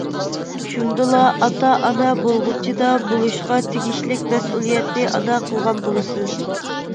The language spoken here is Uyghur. شۇندىلا ئاتا-ئانا بولغۇچىدا بولۇشقا تېگىشلىك مەسئۇلىيەتنى ئادا قىلغان بولىسىز.